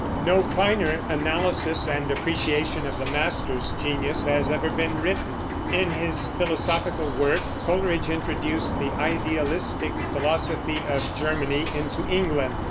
No finer analysis and appreciation of the master's genius has ever been written. In his philosophical work Coleridge introduced the idealistic philosophy of Germany into England.